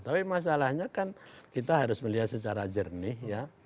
tapi masalahnya kan kita harus melihat secara jernih ya